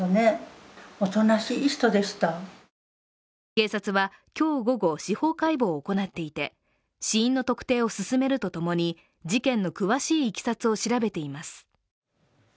警察は今日午後、司法解剖を行っていて死因の特定を進めるとともに事件の詳しいいきさつを調べています。